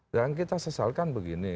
yang kita sesalkan begini